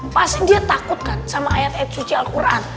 pasti dia takut kan sama ayat ayat suci al quran